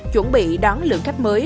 chuẩn bị đón lượng khách mới